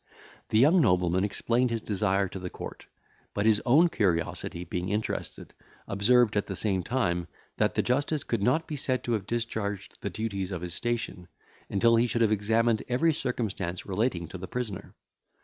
The young nobleman explained his desire to the court; but, his own curiosity being interested, observed, at the same time, that the justice could not be said to have discharged the duties of his station, until he should have examined every circumstance relating to the prisoner.